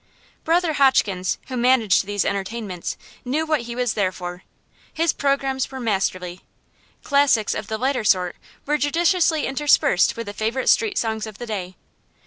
Brother Hotchkins, who managed these entertainments, knew what he was there for. His programmes were masterly. Classics of the lighter sort were judiciously interspersed with the favorite street songs of the day.